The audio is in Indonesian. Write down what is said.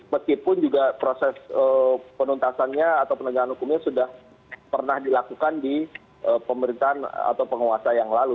meskipun juga proses penuntasannya atau penegakan hukumnya sudah pernah dilakukan di pemerintahan atau penguasa yang lalu